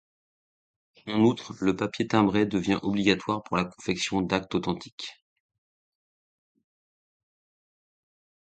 En outre, le papier timbré devient obligatoire pour la confection d'actes authentiques.